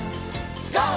ＧＯ！